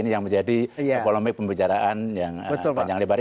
yang menjadi polemik pembicaraan yang panjang lebar ini